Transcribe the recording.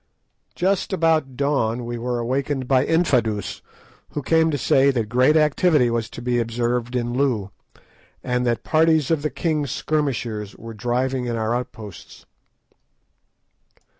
Just about dawn we were awakened by Infadoos, who came to say that great activity was to be observed in Loo, and that parties of the king's skirmishers were driving in our outposts.